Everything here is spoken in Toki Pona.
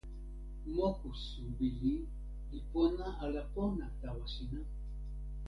moku suwi ni li pona ala pona tawa sina?